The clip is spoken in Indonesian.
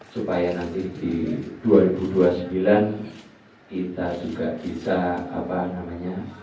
supaya nanti di dua ribu dua puluh sembilan kita juga bisa apa namanya